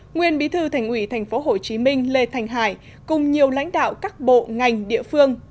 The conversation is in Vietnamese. nguyên bí thư thành ủy tp hcm lê thành hải cùng nhiều lãnh đạo các bộ ngành địa phương